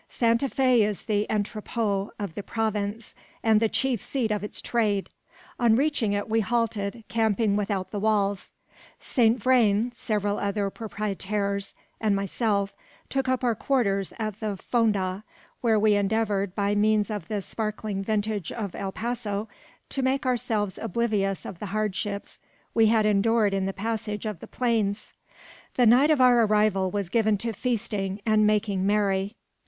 Santa Fe is the entrepot of the province, and the chief seat of its trade. On reaching it we halted, camping without the walls. Saint Vrain, several other proprietaires, and myself, took up our quarters at the Fonda, where we endeavoured, by means of the sparkling vintage of El Paso, to make ourselves oblivious of the hardships we had endured in the passage of the plains. The night of our arrival was given to feasting and making merry.